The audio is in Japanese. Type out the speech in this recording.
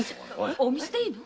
お水でいいの？